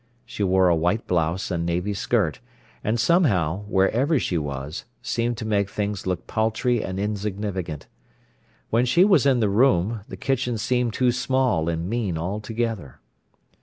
She wore a white blouse and navy skirt, and somehow, wherever she was, seemed to make things look paltry and insignificant. When she was in the room, the kitchen seemed too small and mean altogether.